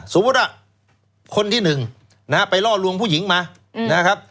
สมมุติว่าคนที่หนึ่งไปล่อลวงผู้หญิงมา